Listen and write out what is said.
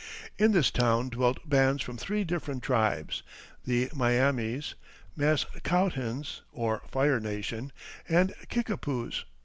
In this town dwelt bands from three different tribes, the Miamis, Maskoutens, or Fire Nation, and Kickapoos.